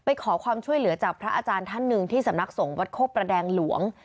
ขอความช่วยเหลือจากพระอาจารย์ท่านหนึ่งที่สำนักสงฆ์วัดโคกประแดงหลวง